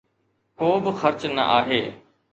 ڪو به خرچ نه آهي.